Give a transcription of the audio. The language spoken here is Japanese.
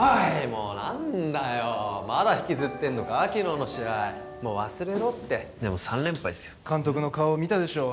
もう何だよまだ引きずってんのか昨日の試合もう忘れろってでも３連敗っすよ監督の顔見たでしょ